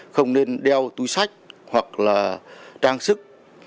không nên đeo túi sách hoặc là trang sức